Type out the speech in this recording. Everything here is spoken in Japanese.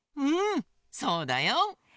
うんそうだよ。